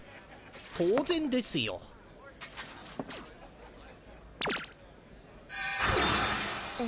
当然ですよえ？